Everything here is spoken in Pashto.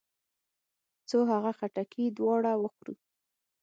څو هغه خټکي دواړه وخورو.